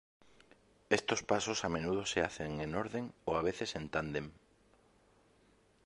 Estos pasos a menudo se hacen en orden o a veces en tándem.